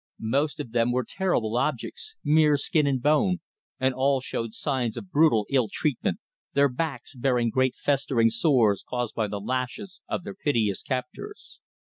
Most of them were terrible objects, mere skin and bone, and all showed signs of brutal ill treatment, their backs bearing great festering sores caused by the lashes of their pitiless captors.